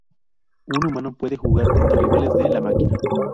Un humano puede jugar contra rivales de la máquina.